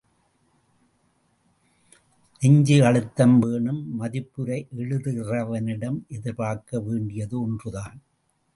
நெஞ்சு அழுத்தம் வேணும் மதிப்புரை எழுதுகிறவனிடம் எதிர்பார்க்க வேண்டியது ஒன்றுதான்.